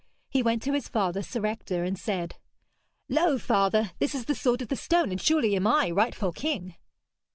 He went to his father, Sir Ector, and said: 'Lo, father, this is the sword of the stone, and surely am I rightful king.'